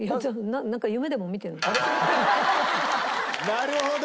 なるほど。